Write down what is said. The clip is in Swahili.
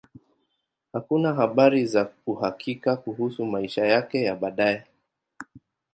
Hakuna habari za uhakika kuhusu maisha yake ya baadaye.